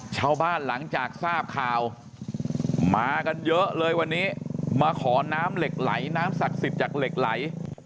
หลังจากทราบข่าวมากันเยอะเลยวันนี้มาขอน้ำเหล็กไหลน้ำศักดิ์สิทธิ์จากเหล็กไหล